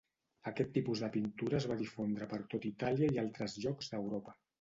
Aquest tipus de pintura es va difondre per tota Itàlia i altres llocs d'Europa.